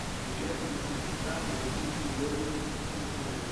Ce clade contient la plupart des Dicotylédones traditionnelles.